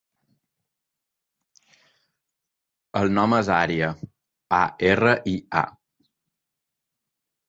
El nom és Aria: a, erra, i, a.